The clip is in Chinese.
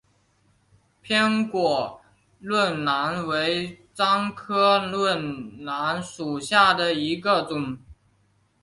扁果润楠为樟科润楠属下的一个种。